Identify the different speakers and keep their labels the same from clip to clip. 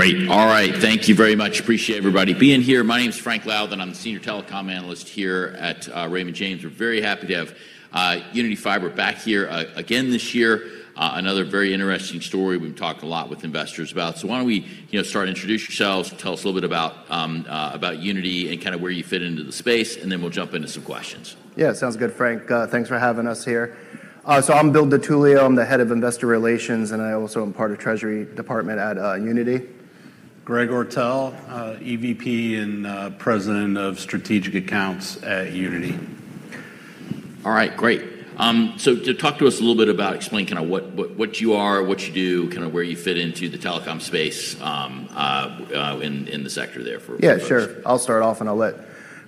Speaker 1: Great. All right. Thank you very much. Appreciate everybody being here. My name is Frank Louthan. I'm the senior telecom analyst here at Raymond James. We're very happy to have Uniti Fiber back here again this year. Another very interesting story we've talked a lot with investors about. Why don't we, you know, start introduce yourselves, tell us a little bit about Uniti Group and kinda where you fit into the space, and then we'll jump into some questions.
Speaker 2: Yeah. Sounds good, Frank. Thanks for having us here. I'm Bill DiTullio. I'm the head of Investor Relations, and I also am part of Treasury Department at Uniti.
Speaker 3: Greg Ortyl, EVP and President of Strategic Accounts at Uniti.
Speaker 1: All right. Great. Talk to us a little bit about, explain kind of what you are, what you do, kind of where you fit into the telecom space, in the sector there.
Speaker 2: Sure. I'll start off, and I'll let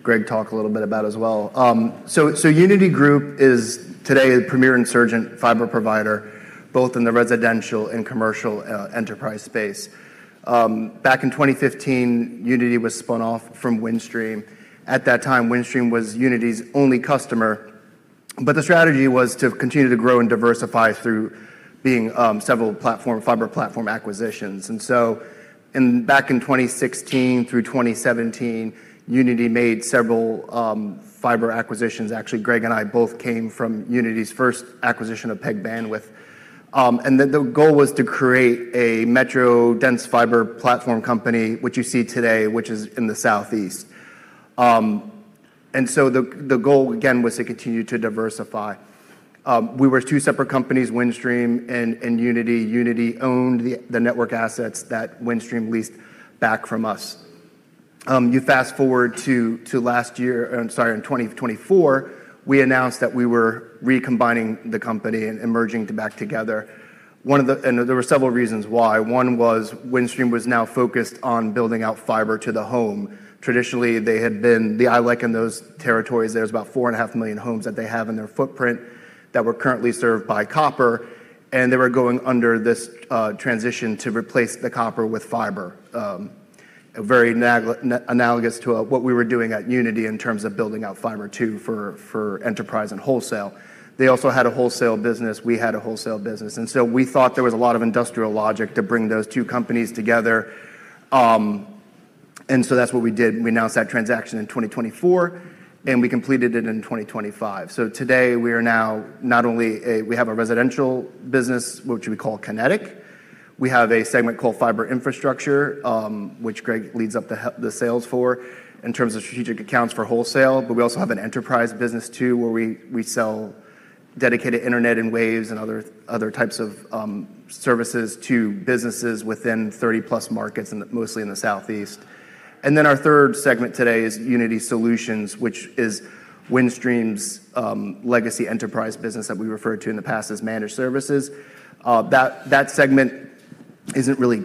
Speaker 2: Greg talk a little bit about it as well. Uniti Group is today a premier insurgent fiber provider both in the residential and commercial enterprise space. Back in 2015, Uniti was spun off from Windstream. At that time, Windstream was Uniti's only customer. The strategy was to continue to grow and diversify through being several platform, fiber platform acquisitions. Back in 2016 through 2017, Uniti made several fiber acquisitions. Actually, Greg and I both came from Uniti's first acquisition of PEG Bandwidth. The goal was to create a metro dense fiber platform company, which you see today, which is in the southeast. The goal again was to continue to diversify. We were two separate companies, Windstream and Uniti. Uniti owned the network assets that Windstream leased back from us. You fast-forward to last year, or I'm sorry, in 2024, we announced that we were recombining the company and merging to back together. There were several reasons why. One was Windstream was now focused on building out Fiber to the Home. Traditionally, they had been the ILEC in those territories. There's about 4.5 million homes that they have in their footprint that were currently served by copper, they were going under this transition to replace the copper with fiber, very analogous to what we were doing at Uniti in terms of building out fiber too for enterprise and wholesale. They also had a wholesale business. We had a wholesale business. We thought there was a lot of industrial logic to bring those two companies together. That's what we did. We announced that transaction in 2024, and we completed it in 2025. Today, we are now not only a, we have a residential business, which we call Kinetic. We have a segment called Fiber Infrastructure, which Greg leads up the sales for in terms of strategic accounts for wholesale. We also have an enterprise business too where we sell Dedicated Internet and Waves and other types of services to businesses within 30-plus markets in the, mostly in the Southeast. Our third segment today is Uniti Solutions, which is Windstream's legacy enterprise business that we referred to in the past as Managed Services. That segment isn't really...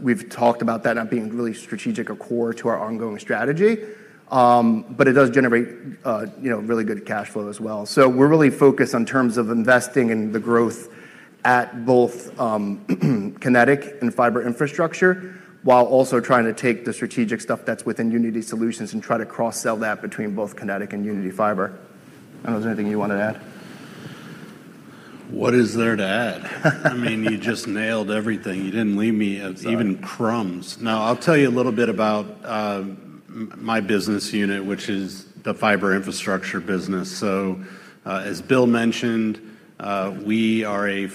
Speaker 2: We've talked about that not being really strategic or core to our ongoing strategy, but it does generate, you know, really good cash flow as well. We're really focused on terms of investing in the growth at both Kinetic and Fiber Infrastructure while also trying to take the strategic stuff that's within Uniti Solutions and try to cross-sell that between both Kinetic and Uniti Fiber. I don't know. Is there anything you wanted to add?
Speaker 3: What is there to add? I mean, you just nailed everything. You didn't leave me, even crumbs. No, I'll tell you a little bit about my business unit, which is the Fiber Infrastructure business. As Bill mentioned, we are a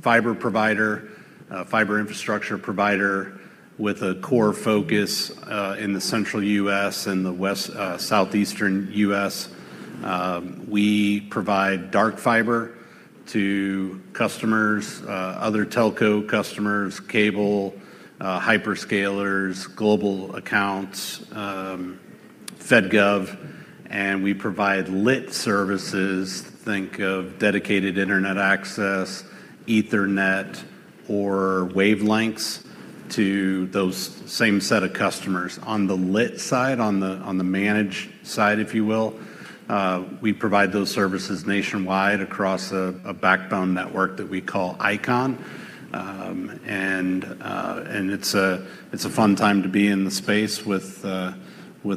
Speaker 3: fiber provider, a Fiber Infrastructure provider with a core focus in the central U.S. and the west, southeastern U.S. We provide dark fiber to customers, other telco customers, cable, hyperscalers, global accounts, Federal Government, and we provide lit services, think of Dedicated Internet Access, Ethernet, or Wavelengths to those same set of customers. On the lit side, on the managed side, if you will, we provide those services nationwide across a backbone network that we call ICON. It's a fun time to be in the space with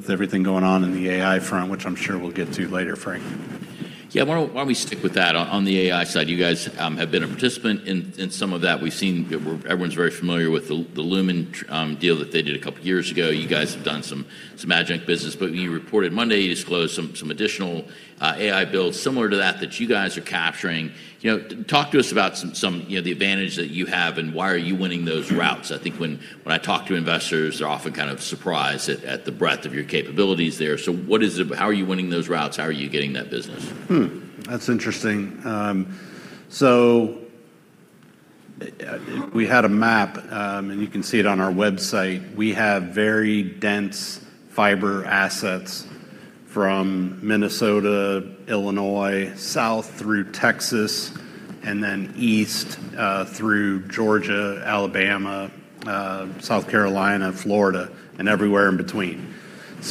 Speaker 3: everything going on in the AI front, which I'm sure we'll get to later, Frank.
Speaker 1: Yeah. Why don't, why don't we stick with that? On, on the AI side, you guys have been a participant in some of that. We've seen, everyone's very familiar with the Lumen deal that they did two years ago. You guys have done some adjunct business. You reported Monday, you disclosed some additional AI builds similar to that you guys are capturing. You know, talk to us about some, you know, the advantage that you have and why are you winning those routes? I think when I talk to investors, they're often kind of surprised at the breadth of your capabilities there. What is it? How are you winning those routes? How are you getting that business?
Speaker 3: That's interesting. We had a map, and you can see it on our website. We have very dense fiber assets from Minnesota, Illinois, south through Texas, and then east through Georgia, Alabama, South Carolina, Florida, and everywhere in between.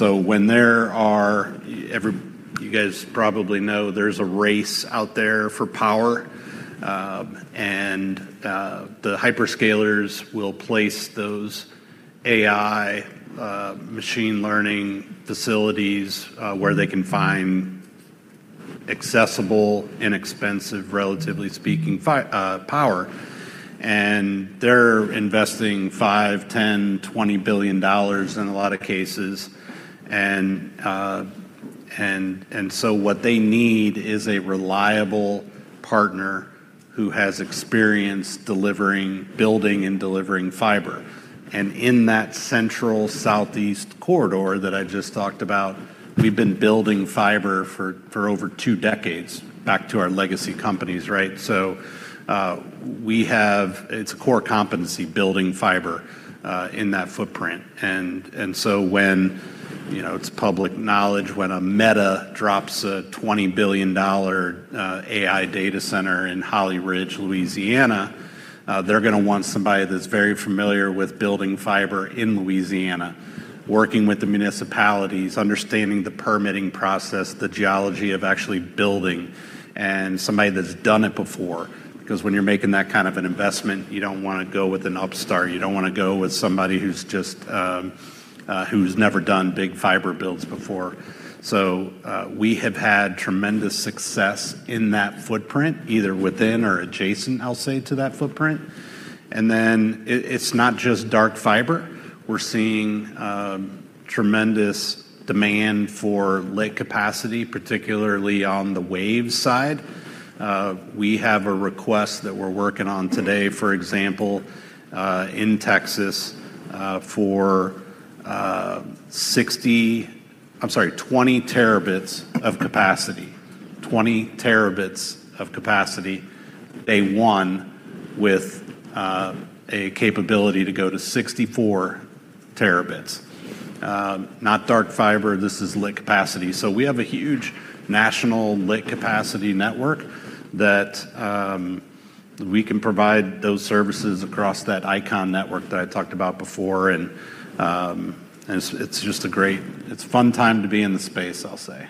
Speaker 3: When there are, You guys probably know there's a race out there for power, and the hyperscalers will place those AI machine learning facilities where they can find accessible, inexpensive, relatively speaking power. They're investing $5 billion, $10 billion, $20 billion in a lot of cases. What they need is a reliable partner who has experience delivering, building and delivering fiber. In that central southeast corridor that I just talked about, we've been building fiber for over two decades back to our legacy companies, right? We have. It's a core competency, building fiber in that footprint. When, you know, it's public knowledge, when a Meta drops a $20 billion AI data center in Holly Ridge, Louisiana, they're gonna want somebody that's very familiar with building fiber in Louisiana, working with the municipalities, understanding the permitting process, the geology of actually building, and somebody that's done it before, because when you're making that kind of an investment, you don't wanna go with an upstart. You don't wanna go with somebody who's just who's never done big fiber builds before. We have had tremendous success in that footprint, either within or adjacent, I'll say, to that footprint. It's not just dark fiber. We're seeing tremendous demand for lit capacity, particularly on the wave side. We have a request that we're working on today, for example, in Texas, for 20 terabits of capacity. Day one with a capability to go to 64 terabits. Not dark fiber. This is lit capacity. We have a huge national lit capacity network that we can provide those services across that ICON network that I talked about before. It's, it's just a great. It's a fun time to be in the space, I'll say.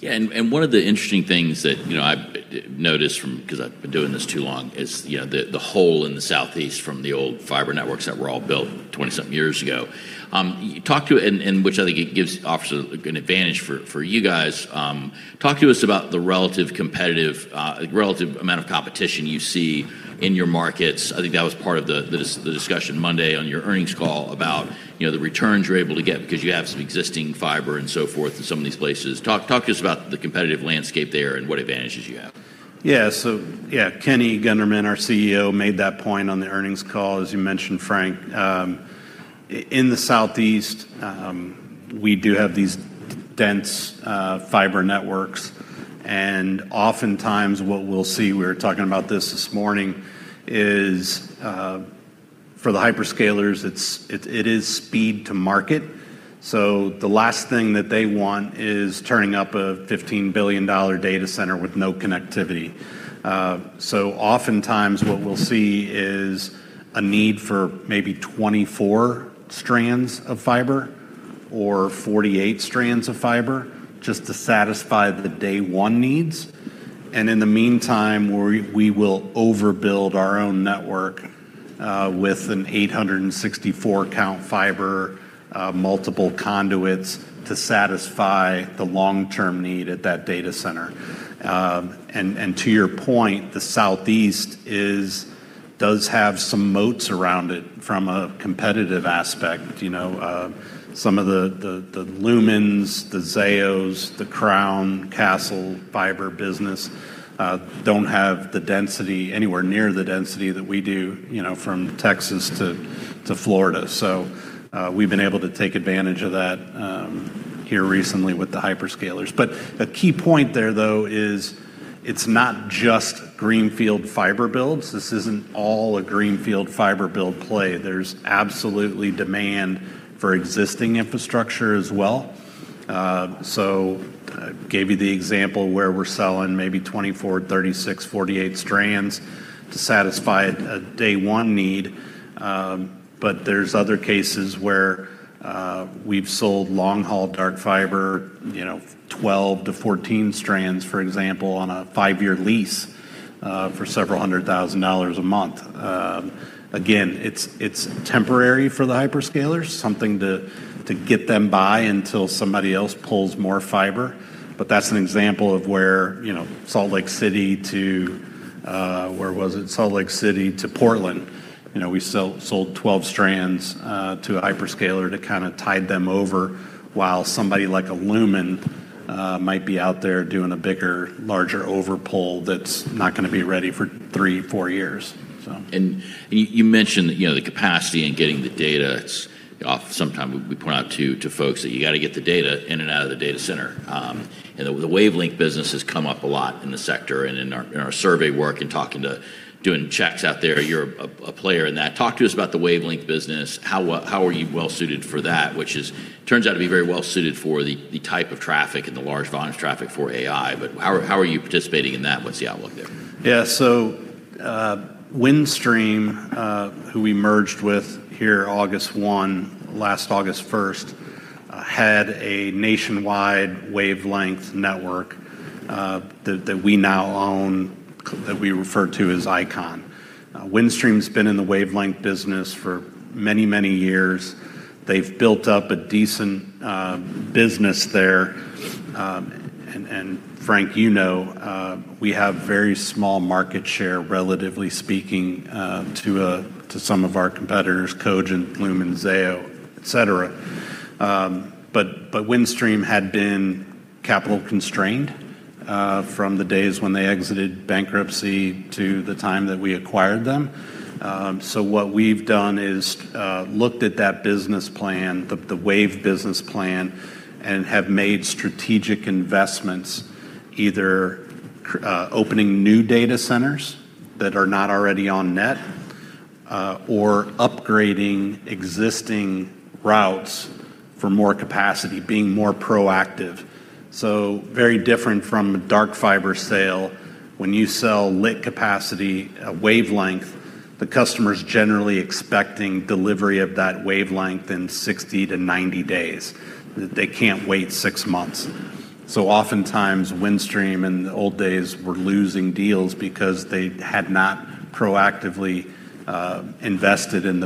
Speaker 3: Yeah.
Speaker 1: Yeah. One of the interesting things that, you know, I've noticed from, because I've been doing this too long, is, you know, the hole in the southeast from the old fiber networks that were all built 20-something years ago. Which I think it gives, offers an advantage for you guys. Talk to us about the relative competitive, relative amount of competition you see in your markets. I think that was part of the discussion Monday on your earnings call about, you know, the returns you're able to get because you have some existing fiber and so forth in some of these places. Talk to us about the competitive landscape there and what advantages you have.
Speaker 3: Yeah. Kenny Gunderman, our CEO, made that point on the earnings call, as you mentioned, Frank. In the southeast, we do have these dense fiber networks, and oftentimes what we'll see, we were talking about this this morning, is for the hyperscalers, it is speed to market. The last thing that they want is turning up a $15 billion data center with no connectivity. Oftentimes what we'll see is a need for maybe 24 strands of fiber or 48 strands of fiber just to satisfy the day one needs. In the meantime, we will overbuild our own network with an 864 count fiber, multiple conduits to satisfy the long-term need at that data center. To your point, the southeast is, does have some moats around it from a competitive aspect. You know, some of the Lumens, the Zaos, the Crown Castle fiber business, don't have the density, anywhere near the density that we do, you know, from Texas to Florida. We've been able to take advantage of that here recently with the hyperscalers. A key point there, though, is it's not just greenfield fiber builds. This isn't all a greenfield fiber build play. There's absolutely demand for existing infrastructure as well. I gave you the example where we're selling maybe 24, 36, 48 strands to satisfy a day one need. There's other cases where we've sold long-haul dark fiber, you know, 12 to 14 strands, for example, on a five-year lease for several hundred thousand dollars a month. Again, it's temporary for the hyperscalers, something to get them by until somebody else pulls more fiber. That's an example of where, you know, Salt Lake City to where was it? Salt Lake City to Portland. You know, we sold 12 strands to a hyperscaler to kind of tide them over while somebody like a Lumen might be out there doing a bigger, larger overpull that's not gonna be ready for three, four years.
Speaker 1: You, you mentioned, you know, the capacity in getting the data off. Sometimes we point out to folks that you gotta get the data in and out of the data center. The wavelength business has come up a lot in the sector and in our survey work and talking to doing checks out there. You're a player in that. Talk to us about the wavelength business. How, how are you well suited for that? Which is, turns out to be very well suited for the type of traffic and the large volumes traffic for AI. How, how are you participating in that? What's the outlook there?
Speaker 3: Yeah. Windstream, who we merged with here August 1, last August 1st, had a nationwide wavelength network that we now own that we refer to as ICON. Windstream's been in the wavelength business for many, many years. They've built up a decent business there. Frank, you know, we have very small market share, relatively speaking, to some of our competitors, Cogent, Lumen, Zayo, et cetera. Windstream had been capital constrained from the days when they exited bankruptcy to the time that we acquired them. What we've done is looked at that business plan, the wave business plan, and have made strategic investments either opening new data centers that are not already on net or upgrading existing routes for more capacity, being more proactive. Very different from a dark fiber sale. When you sell lit capacity, a wavelength, the customer's generally expecting delivery of that wavelength in 60 to 90 days. They can't wait 6 months. Oftentimes, Windstream in the old days were losing deals because they had not proactively invested in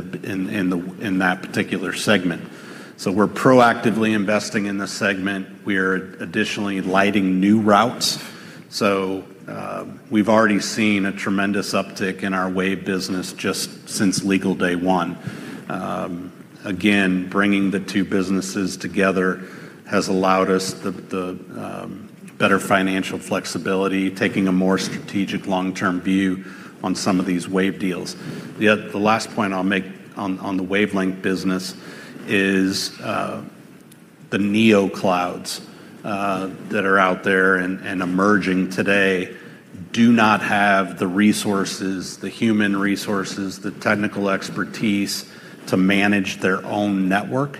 Speaker 3: that particular segment. We're proactively investing in this segment. We're additionally lighting new routes. We've already seen a tremendous uptick in our wave business just since legal day one. Again, bringing the two businesses together has allowed us the better financial flexibility, taking a more strategic long-term view on some of these wave deals. The last point I'll make on the wavelength business is the neoclouds that are out there and emerging today do not have the resources, the human resources, the technical expertise to manage their own network.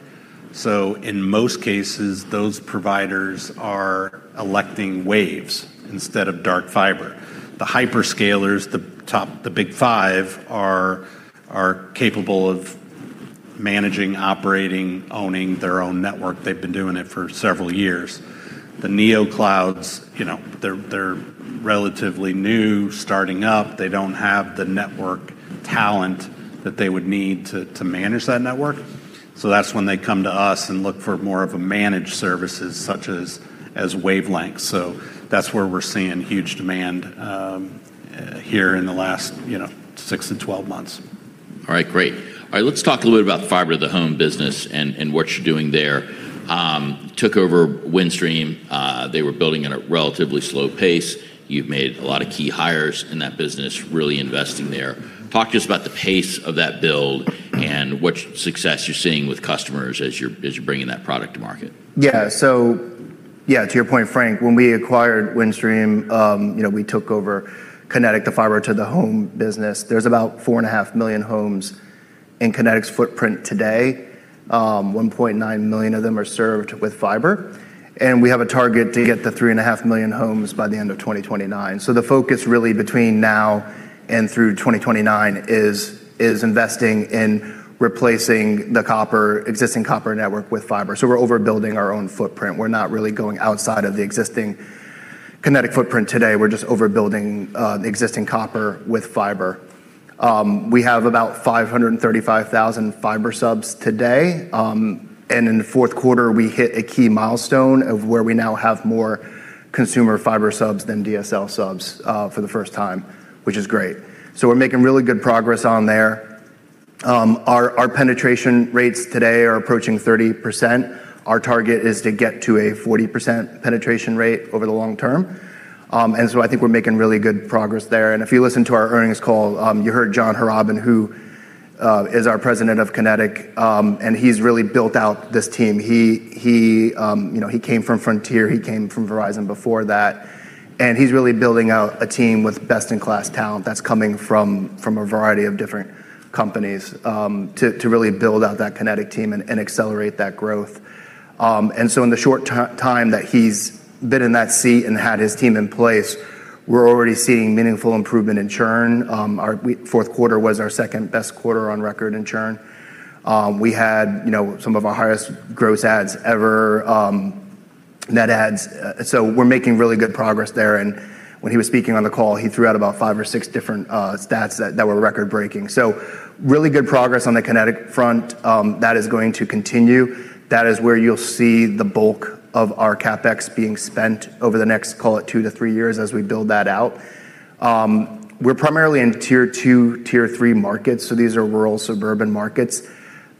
Speaker 3: In most cases, those providers are electing waves instead of dark fiber. The hyperscalers, the top, the Big Five, are capable of managing, operating, owning their own network. They've been doing it for several years. The neoclouds, you know, they're relatively new, starting up. They don't have the network talent that they would need to manage that network. That's when they come to us and look for more of a managed services such as wavelength. That's where we're seeing huge demand here in the last, you know, 6-12 months.
Speaker 1: All right, great. All right, let's talk a little bit about the Fiber to the Home business and what you're doing there. Took over Windstream. They were building at a relatively slow pace. You've made a lot of key hires in that business, really investing there. Talk to us about the pace of that build and which success you're seeing with customers as you're bringing that product to market?
Speaker 3: To your point, Frank, when we acquired Windstream, you know, we took over Kinetic, the fiber to the home business. There's about 4.5 million homes in Kinetic's footprint today. 1.9 million of them are served with fiber, and we have a target to get to 3.5 million homes by the end of 2029. The focus really between now and through 2029 is investing in replacing the copper, existing copper network with fiber. We're overbuilding our own footprint. We're not really going outside of the existing Kinetic footprint today. We're just overbuilding the existing copper with fiber. We have about 535,000 fiber subs today. In the fourth quarter, we hit a key milestone of where we now have more consumer fiber subs than DSL subs for the first time, which is great. We're making really good progress on there. Our penetration rates today are approaching 30%. Our target is to get to a 40% penetration rate over the long term. I think we're making really good progress there. If you listen to our earnings call, you heard John Harrobin, who is our President of Kinetic, and he's really built out this team. He, you know, he came from Frontier. He came from Verizon before that, he's really building out a team with best-in-class talent that's coming from a variety of different companies, to really build out that Kinetic team and accelerate that growth. In the short time that he's been in that seat and had his team in place, we're already seeing meaningful improvement in churn. Our fourth quarter was our second-best quarter on record in churn. We had, you know, some of our highest gross adds ever, net adds. We're making really good progress there. When he was speaking on the call, he threw out about five or six different stats that were record-breaking. Really good progress on the Kinetic front. That is going to continue. That is where you'll see the bulk of our CapEx being spent over the next, call it 2-3 years as we build that out. We're primarily in tier two, tier three markets, so these are rural suburban markets.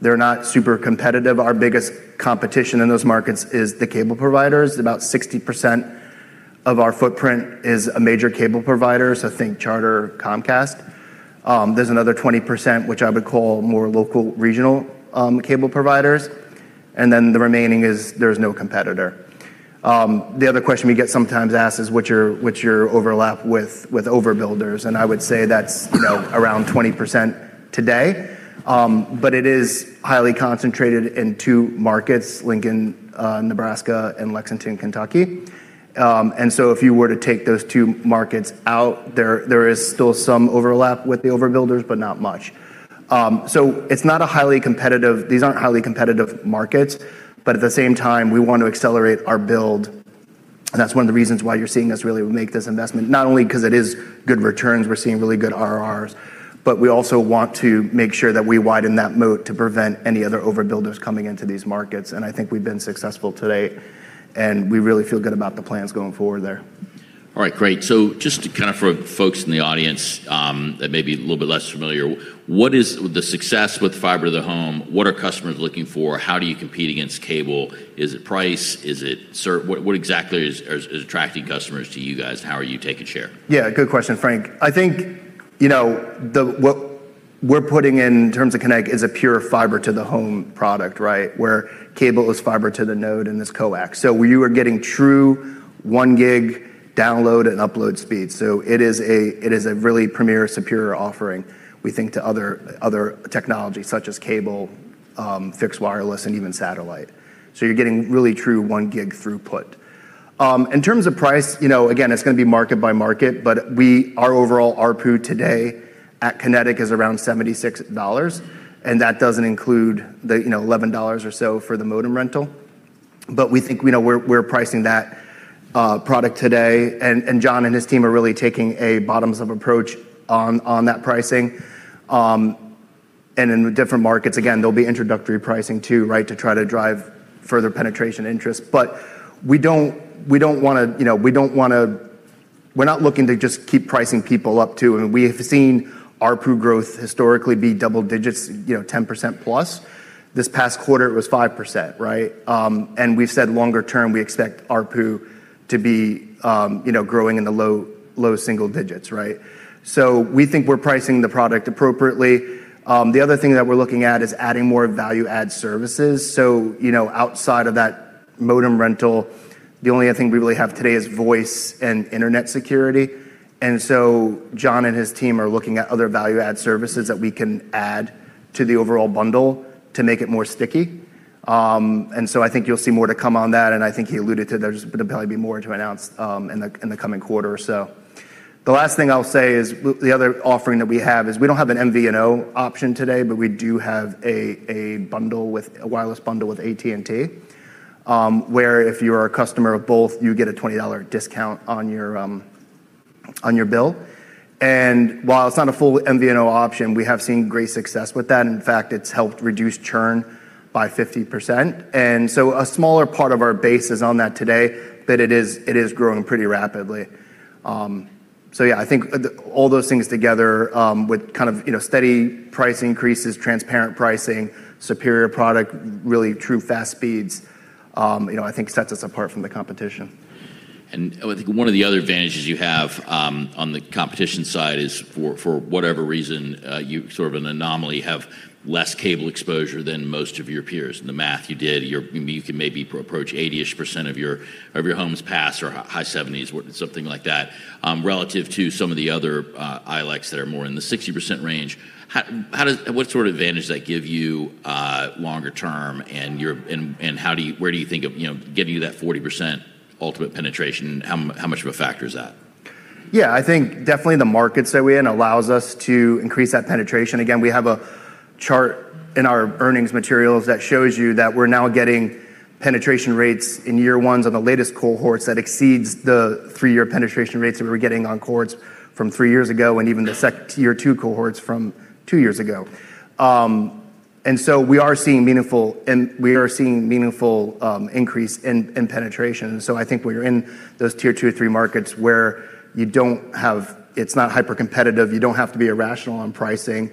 Speaker 3: They're not super competitive. Our biggest competition in those markets is the cable providers. About 60% of our footprint is a major cable provider, so think Charter, Comcast. There's another 20%, which I would call more local regional cable providers, and then the remaining is there's no competitor. The other question we get sometimes asked is what's your overlap with overbuilders? I would say that's, you know, around 20% today. It is highly concentrated in two markets, Lincoln, Nebraska and Lexington, Kentucky. If you were to take those two markets out, there is still some overlap with the overbuilders, but not much. These aren't highly competitive markets, but at the same time, we want to accelerate our build
Speaker 2: That's one of the reasons why you're seeing us really make this investment, not only because it is good returns, we're seeing really good RRRs, but we also want to make sure that we widen that moat to prevent any other overbuilders coming into these markets. I think we've been successful to date, and we really feel good about the plans going forward there.
Speaker 1: All right, great. Just to kind of for folks in the audience, that may be a little bit less familiar, what is the success with Fiber to the Home? What are customers looking for? How do you compete against cable? Is it price? Is it what exactly is attracting customers to you guys, and how are you taking share?
Speaker 2: Yeah, good question, Frank. I think, you know, what we're putting in in terms of Connect is a pure Fiber to the Home product, right? Where cable is Fiber to the Node and is coax. You are getting true 1 gig download and upload speed. It is a, it is a really premier, superior offering, we think, to other technologies, such as cable, fixed wireless, and even satellite. You're getting really true 1 gig throughput. In terms of price, you know, again, it's gonna be market by market, but our overall ARPU today at Kinetic is around $76, and that doesn't include the, you know, $11 or so for the modem rental. We think we know where we're pricing that product today. John and his team are really taking a bottoms-up approach on that pricing. In different markets, again, there'll be introductory pricing too, right, to try to drive further penetration interest. We don't wanna, you know, we're not looking to just keep pricing people up too. I mean, we have seen ARPU growth historically be double digits, you know, 10%+. This past quarter it was 5%, right? We've said longer term, we expect ARPU to be, you know, growing in the low, low single digits, right? We think we're pricing the product appropriately. The other thing that we're looking at is adding more value-add services. You know, outside of that modem rental, the only other thing we really have today is voice and internet security. John and his team are looking at other value add services that we can add to the overall bundle to make it more sticky. I think you'll see more to come on that, and I think he alluded to there's probably be more to announce in the coming quarter or so. The last thing I'll say is the other offering that we have is we don't have an MVNO option today, but we do have a wireless bundle with AT&T, where if you're a customer of both, you get a $20 discount on your bill. While it's not a full MVNO option, we have seen great success with that. In fact, it's helped reduce churn by 50%. A smaller part of our base is on that today, but it is growing pretty rapidly. Yeah, I think the, all those things together, with kind of, you know, steady price increases, transparent pricing, superior product, really true fast speeds, you know, I think sets us apart from the competition.
Speaker 1: I think one of the other advantages you have on the competition side is for whatever reason, you sort of an anomaly have less cable exposure than most of your peers. The math you did, you can maybe approach 80-ish% of your homes passed or high 70s or something like that, relative to some of the other ILECs that are more in the 60% range. What sort of advantage does that give you longer term, and how do you where do you think of, you know, getting you that 40% ultimate penetration? How much of a factor is that?
Speaker 2: Yeah, I think definitely the markets that we're in allows us to increase that penetration. Again, we have a chart in our earnings materials that shows you that we're now getting penetration rates in year ones on the latest cohorts that exceeds the three-year penetration rates that we were getting on cohorts from three years ago and even year two cohorts from two years ago. We are seeing meaningful increase in penetration. I think when you're in those tier two or three markets where it's not hypercompetitive, you don't have to be irrational on pricing,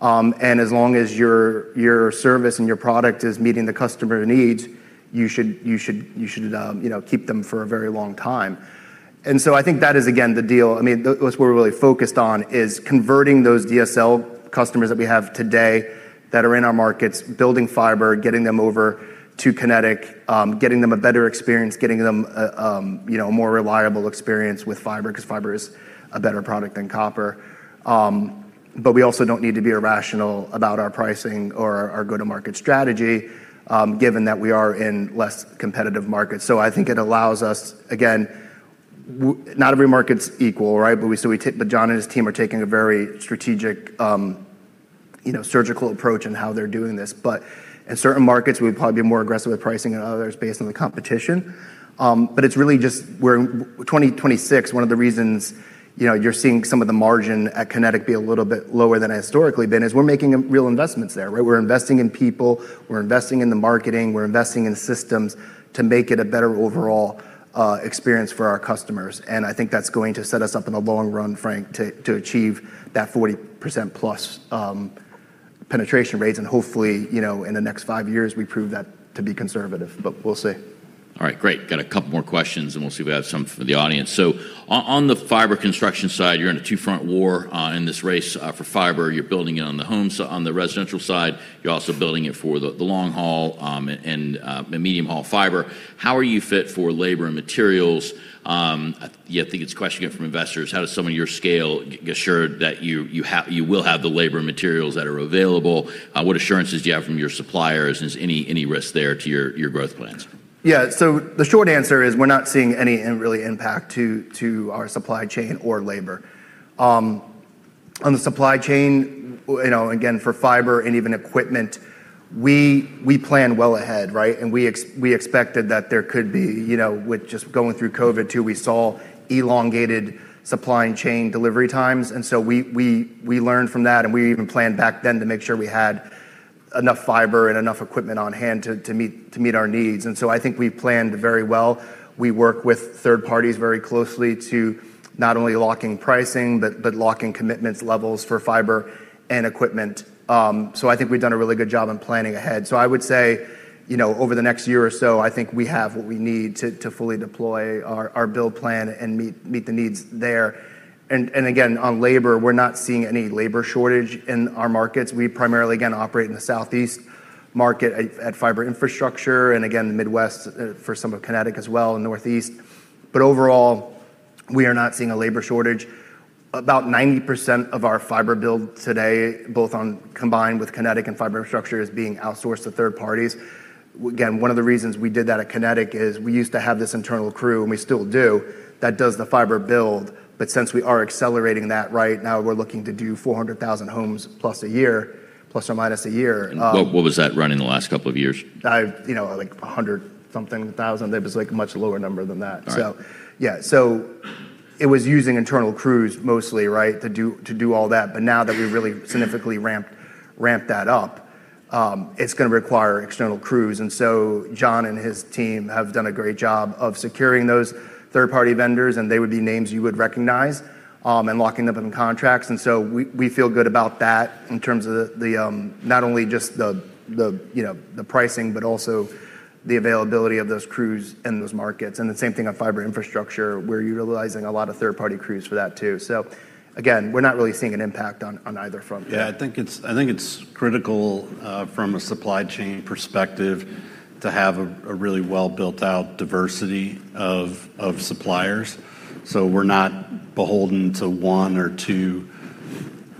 Speaker 2: and as long as your service and your product is meeting the customer needs, you should, you know, keep them for a very long time. I think that is again the deal. I mean, what we're really focused on is converting those DSL customers that we have today that are in our markets, building fiber, getting them over to Kinetic, getting them a better experience, getting them a, you know, a more reliable experience with fiber, because fiber is a better product than copper. We also don't need to be irrational about our pricing or our go-to-market strategy, given that we are in less competitive markets. I think it allows us, again, not every market's equal, right? John and his team are taking a very strategic, you know, surgical approach in how they're doing this. In certain markets, we'd probably be more aggressive with pricing than others based on the competition. It's really just 2026, one of the reasons, you know, you're seeing some of the margin at Kinetic be a little bit lower than it historically been is we're making real investments there, right? We're investing in people, we're investing in the marketing, we're investing in systems to make it a better overall experience for our customers. I think that's going to set us up in the long run, Frank, to achieve that 40%+ penetration rates. Hopefully, you know, in the next five years, we prove that to be conservative. We'll see.
Speaker 1: All right, great. Got a couple more questions, and we'll see if we have some from the audience. On the fiber construction side, you're in a two-front war in this race for fiber. You're building it on the home on the residential side. You're also building it for the long haul, and medium haul fiber. How are you fit for labor and materials? Yeah, I think it's a question again from investors. How does some of your scale assure that you will have the labor and materials that are available? What assurances do you have from your suppliers? Is any risk there to your growth plans?
Speaker 2: Yeah. The short answer is we're not seeing any really impact to our supply chain or labor. On the supply chain, you know, again, for fiber and even equipment, we plan well ahead, right? We expected that there could be, you know, with just going through COVID too, we saw elongated supply and chain delivery times. We learned from that and we even planned back then to make sure we had enough fiber and enough equipment on hand to meet our needs. I think we've planned very well. We work with third parties very closely to not only locking pricing, but locking commitments levels for fiber and equipment. I think we've done a really good job in planning ahead. I would say, you know, over the next year or so, I think we have what we need to fully deploy our build plan and meet the needs there. Again, on labor, we're not seeing any labor shortage in our markets. We primarily, again, operate in the southeast market at Fiber Infrastructure and again, the Midwest for some of Kinetic as well, and Northeast. Overall, we are not seeing a labor shortage. About 90% of our fiber build today, both on combined with Kinetic and Fiber Infrastructure, is being outsourced to third parties. Again, one of the reasons we did that at Kinetic is we used to have this internal crew, and we still do, that does the fiber build. Since we are accelerating that right now, we're looking to do 400,000 homes plus a year, ± a year.
Speaker 1: What was that run in the last couple of years?
Speaker 2: You know, like a hundred something thousand. It was, like, a much lower number than that.
Speaker 1: All right.
Speaker 2: Yeah. It was using internal crews mostly, right? To do all that. Now that we've really significantly ramped that up, it's gonna require external crews. John and his team have done a great job of securing those third-party vendors. They would be names you would recognize. Locking them up in contracts. We feel good about that in terms of the, not only just the, you know, the pricing, but also the availability of those crews in those markets. The same thing on Fiber Infrastructure. We're utilizing a lot of third-party crews for that too. Again, we're not really seeing an impact on either front.
Speaker 3: I think it's critical from a supply chain perspective to have a really well-built out diversity of suppliers. We're not beholden to one or two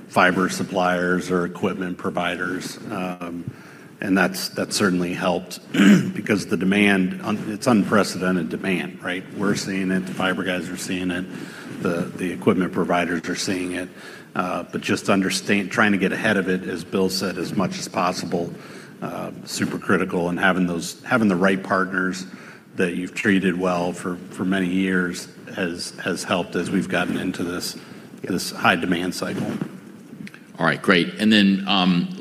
Speaker 3: fiber suppliers or equipment providers. That's certainly helped because the demand. It's unprecedented demand, right? We're seeing it, the fiber guys are seeing it, the equipment providers are seeing it. Just trying to get ahead of it, as Bill said, as much as possible, super critical. Having the right partners that you've treated well for many years has helped as we've gotten into this high demand cycle.
Speaker 1: All right. Great.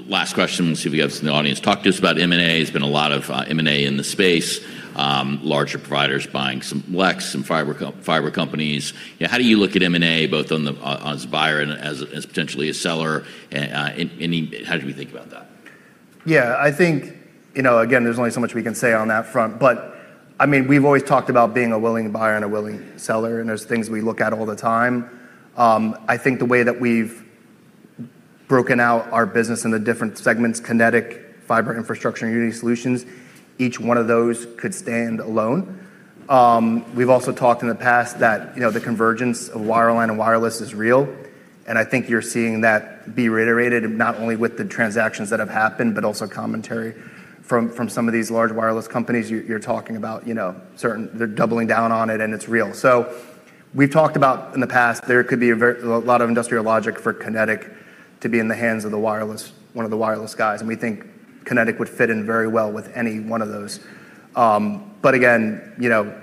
Speaker 1: Last question. We'll see if we have this in the audience. Talk to us about M&A. There's been a lot of M&A in the space, larger providers buying some CLECs and fiber companies. You know, how do you look at M&A both on the as a buyer and as potentially a seller? Any, how do we think about that?
Speaker 2: Yeah. I think, you know, again, there's only so much we can say on that front, but I mean, we've always talked about being a willing buyer and a willing seller, and there's things we look at all the time. I think the way that we've broken out our business into different segments, Kinetic, Fiber Infrastructure, and Uniti Solutions, each one of those could stand alone. We've also talked in the past that, you know, the convergence of wireline and wireless is real, and I think you're seeing that be reiterated not only with the transactions that have happened, but also commentary from some of these large wireless companies you're talking about. You know, They're doubling down on it and it's real. We've talked about in the past, there could be a very, a lot of industrial logic for Kinetic to be in the hands of the wireless, one of the wireless guys, and we think Kinetic would fit in very well with any one of those. Again, you know,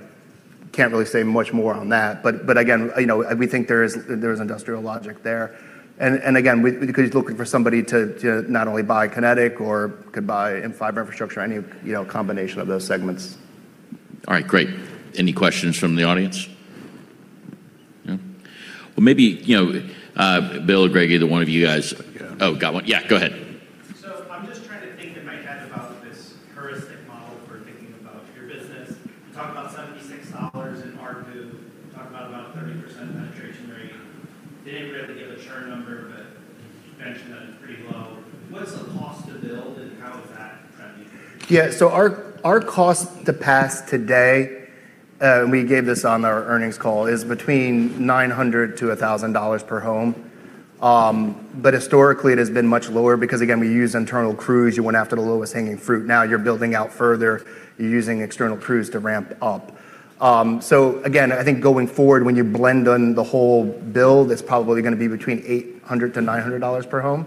Speaker 2: can't really say much more on that. Again, you know, we think there is, there is industrial logic there. Again, we because he's looking for somebody to not only buy Kinetic or could buy in fiber infrastructure any, you know, combination of those segments.
Speaker 1: All right. Great. Any questions from the audience? No. Well, maybe, you know, Bill or Greg, either one of you guys.
Speaker 3: Yeah.
Speaker 1: Oh, got one? Yeah, go ahead.
Speaker 4: I'm just trying to think in my head about this heuristic model for thinking about your business. You talked about $76 in ARPU. You talked about a 30% penetration rate. You didn't really give a churn number, but you mentioned that it's pretty low. What's the cost to build and how is that trending?
Speaker 2: Our cost to pass today, we gave this on our earnings call, is between $900-$1,000 per home. Historically it has been much lower because again, we used internal crews. You went after the lowest hanging fruit. Now you're building out further, you're using external crews to ramp up. Again, I think going forward when you blend in the whole build, it's probably gonna be between $800-$900 per home,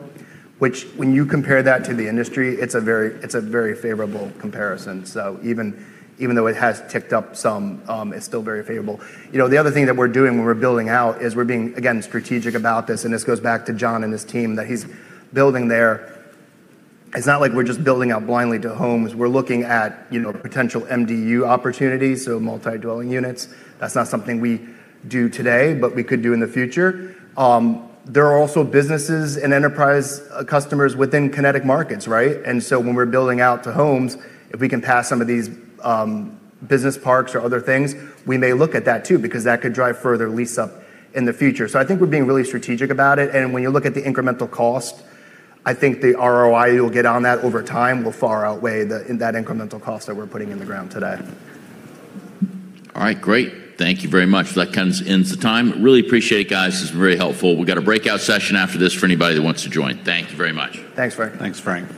Speaker 2: which when you compare that to the industry, it's a very favorable comparison. Even though it has ticked up some, it's still very favorable. You know, the other thing that we're doing when we're building out is we're being, again, strategic about this, and this goes back to John and his team that he's building there. It's not like we're just building out blindly to homes. We're looking at, you know, potential MDU opportunities, so multi-dwelling units. That's not something we do today, but we could do in the future. There are also businesses and enterprise customers within Kinetic markets, right? When we're building out to homes, if we can pass some of these, business parks or other things, we may look at that too, because that could drive further lease up in the future. I think we're being really strategic about it, and when you look at the incremental cost, I think the ROI you'll get on that over time will far outweigh that incremental cost that we're putting in the ground today.
Speaker 1: All right. Great. Thank you very much. That ends the time. Really appreciate it, guys. This is very helpful. We've got a breakout session after this for anybody that wants to join. Thank you very much.
Speaker 2: Thanks, Frank.
Speaker 3: Thanks, Frank.